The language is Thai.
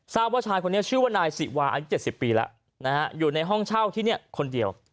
ว่าชายคนนี้ชื่อว่านายสิวาอายุ๗๐ปีแล้วนะฮะอยู่ในห้องเช่าที่นี่คนเดียว